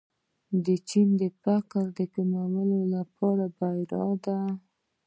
چین د فقر کمولو کې بریالی دی.